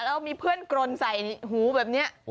แล้วมีเพื่อนกรนใส่หูแบบนี้